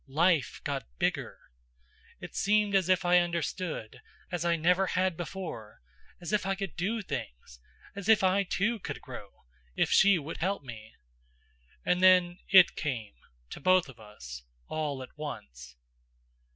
Life got bigger. It seemed as if I understood as I never had before as if I could Do things as if I too could grow if she would help me. And then It came to both of us, all at once.